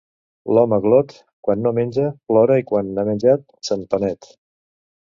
L'home glot, quan no menja, plora i quan ha menjat, se'n penet.